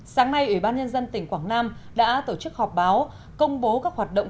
sáng nay ủy ban nhân dân tỉnh quảng nam đã tổ chức họp báo công bố các hoạt động